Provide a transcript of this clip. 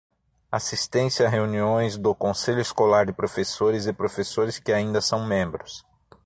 Assistência a reuniões do conselho escolar de professores e professores que ainda são membros.